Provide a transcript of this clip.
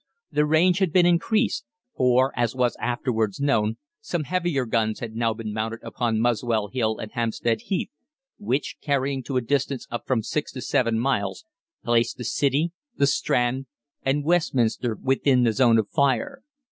The range had been increased, for, as was afterwards known, some heavier guns had now been mounted upon Muswell Hill and Hampstead Heath, which, carrying to a distance of from six to seven miles, placed the City, the Strand, and Westminster within the zone of fire.